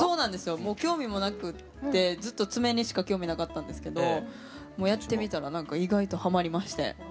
もう興味もなくてずっと爪にしか興味なかったんですけどやってみたら意外とハマりまして。